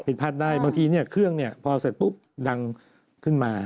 ผิดพลัดได้บางทีเครื่องพอเสร็จปุ๊บดังขึ้นมา